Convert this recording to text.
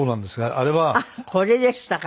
あっこれでしたか。